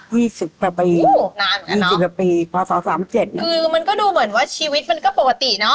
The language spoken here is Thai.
ยี่สิบประปรีนานเหมือนกันเนอะยี่สิบประปรีพอสองสามเจ็ดคือมันก็ดูเหมือนว่าชีวิตมันก็ปกติเนอะ